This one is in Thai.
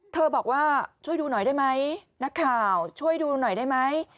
บอกว่าช่วยดูหน่อยได้ไหมนักข่าวช่วยดูหน่อยได้ไหม